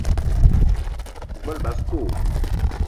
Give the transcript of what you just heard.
O gbele basko?